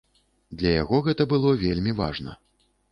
Для яго гэта было вельмі важна.